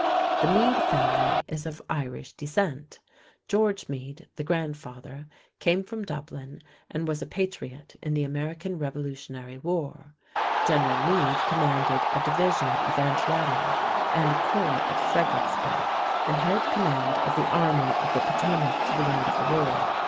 The Meade family is of Irish descent. George Meade, the grandfather, came from Dublin and was a patriot in the American Revolutionary War. General Meade commanded a division at Antietam and a corps at Fredericksburg, and held command of the Army of the Potomac to the end of the war.